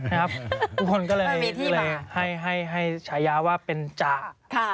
ทุกคนก็เลยให้ฉายาว่าเป็นจ่า